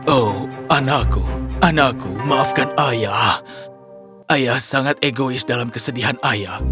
oh anakku anakku maafkan ayah ayah sangat egois dalam kesedihan ayah